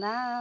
nói chung em